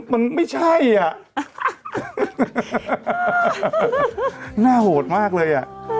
มันไม่ใช่หน้าโหดมากเลย